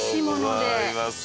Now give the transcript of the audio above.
ありがとうございます。